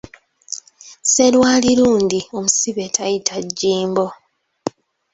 Sserwali lundi omusibe tayita jjimbo.